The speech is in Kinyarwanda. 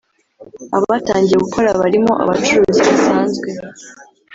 abatangiye gukora barimo abacuruzi basanzwe